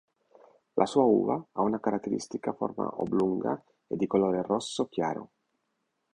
La sua uva ha una caratteristica forma oblunga e di colore rosso chiaro.